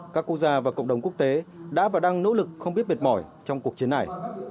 các quốc gia và cộng đồng quốc tế đã và đang nỗ lực không biết mệt mỏi trong cuộc chiến này